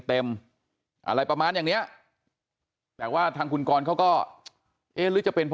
เต็มอะไรประมาณอย่างเงี้ยแต่ว่าทางคุณกรเขาก็จะเป็น